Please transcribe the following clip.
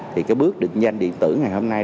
thì cái bước định danh điện tử ngày hôm nay